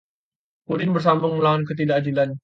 Udin bersabung melawan ketidakadilan